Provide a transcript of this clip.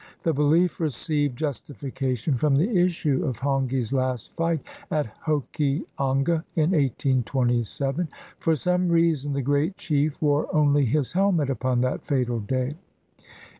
The belief received justification from the issue of Hongi's last fight at Hokianga in 1827. For some reason the great chief wore only his helmet upon that fatal day.